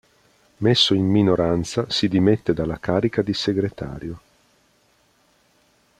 Messo in minoranza, si dimette dalla carica di segretario.